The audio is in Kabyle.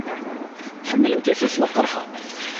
Ḥemmlent ifelfel aqerḥan.